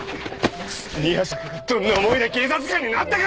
宮坂がどんな思いで警察官になったか！